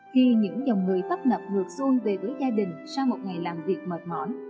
khi những dòng người tấp nập ngược xuôn về với gia đình sau một ngày làm việc mệt mỏi